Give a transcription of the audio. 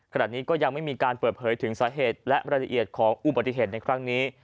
ขณะนี้ก็ยังไม่มีการเปิดเผยถึงสาเหตุและรายละเอียดของอุบัติเหตุในครั้งนี้